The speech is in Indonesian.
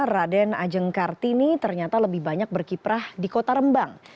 raden ajeng kartini ternyata lebih banyak berkiprah di kota rembang